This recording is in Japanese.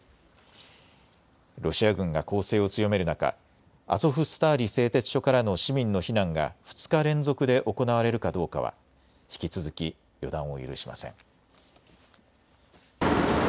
ロシア軍が攻勢を強める中、アゾフスターリ製鉄所からの市民の避難が２日連続で行われるかどうかは引き続き予断を許しません。